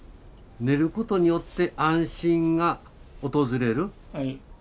寝ることによって安心が訪れる。